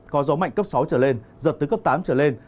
có gió mạnh cấp sáu trở lên giật từ cấp tám trở lên